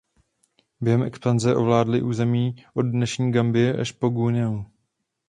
Během expanze ovládli území od dnešní Gambie až po Guineu.